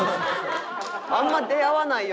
あんま出会わないよ